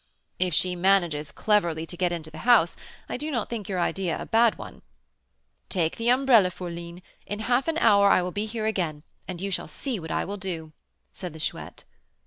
"If she manages cleverly to get into the house, I do not think your idea a bad one." "Take the umbrella, fourline; in half an hour I will be here again, and you shall see what I will do," said the Chouette.